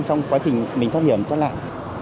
trong quá trình mình thoát hiểm thoát lạn